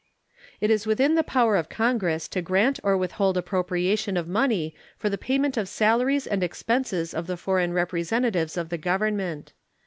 It is within the power of Congress to grant or withhold appropriation of money for the payment of salaries and expenses of the foreign representatives of the Government.